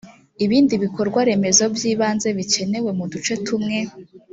ibindi bikorwaremezo by ibanze bikenewe mu duce tumwe